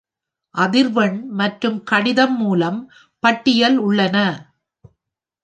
அதிர்வெண் மற்றும் கடிதம் மூலம் பட்டியல் உள்ளன.